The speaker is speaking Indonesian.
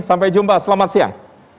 sampai jumpa selamat siang